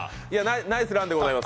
ナイスランでございます。